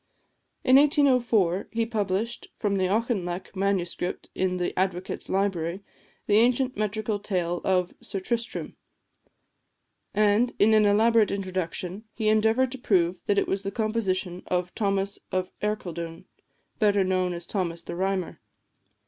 In 1804 he published, from the Auchinleck Manuscript in the Advocates' Library, the ancient metrical tale of "Sir Tristrem;" and, in an elaborate introduction, he endeavoured to prove that it was the composition of Thomas of Ercildoune, better known as Thomas the Rhymer.